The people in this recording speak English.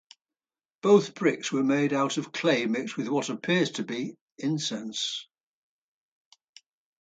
Both bricks were made out of clay mixed with what appears to be incense.